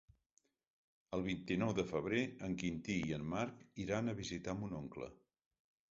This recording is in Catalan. El vint-i-nou de febrer en Quintí i en Marc iran a visitar mon oncle.